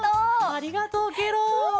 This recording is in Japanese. ありがとうケロ。